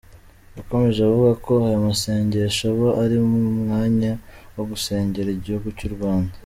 Yakomeje avuga ko aya masengesho aba ari umwanya wo gusengera igihugu cy’u Rwanda.